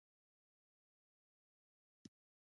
د مخ د پړسوب لپاره د څه شي ټوټې وکاروم؟